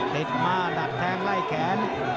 ติดมาดักแทงไล่แขน